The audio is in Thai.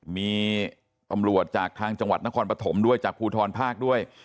มีตำรวจจากทางจังหวัดนครปฐมด้วยจากภูทรภาคด้วย